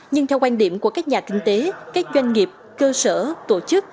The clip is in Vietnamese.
nhưng theo quan điểm của các nhà kinh tế các doanh nghiệp cơ sở tổ chức